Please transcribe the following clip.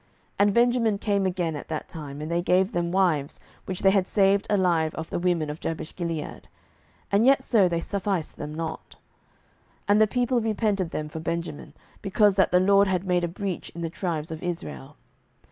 07:021:014 And Benjamin came again at that time; and they gave them wives which they had saved alive of the women of Jabeshgilead: and yet so they sufficed them not. 07:021:015 And the people repented them for Benjamin, because that the LORD had made a breach in the tribes of Israel.